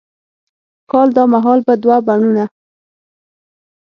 کال دا مهال به دوه بڼوڼه،